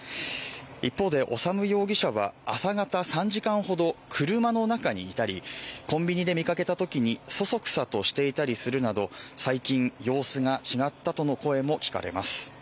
一方で、修容疑者は朝方３時間ほど車の中にいたり、コンビニで見かけたときにそそくさとしていたりするなど最近、様子が違ったとの声も聞かれます。